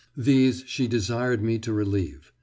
These she desired me to relieve.